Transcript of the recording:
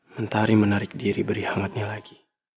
mentari menarik diri beri hangatnya lagi